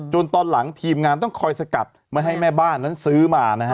ตอนหลังทีมงานต้องคอยสกัดไม่ให้แม่บ้านนั้นซื้อมานะฮะ